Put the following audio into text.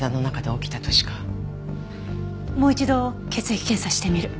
もう一度血液検査してみる。